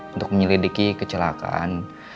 untuk menyelidiki kesalahan